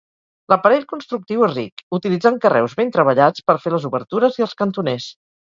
L'aparell constructiu és ric, utilitzant carreus ben treballats per fer les obertures i els cantoners.